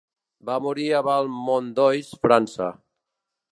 Va morir a Valmondois, França.